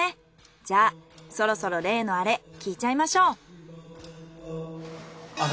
じゃあそろそろ例のアレ聞いちゃいましょう。